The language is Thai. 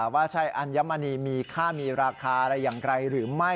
ว่าใช่อัญมณีมีค่ามีราคาอะไรอย่างไรหรือไม่